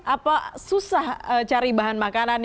apa susah cari bahan makanan